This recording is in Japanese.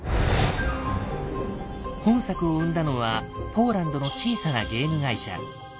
本作を生んだのはポーランドの小さなゲーム会社。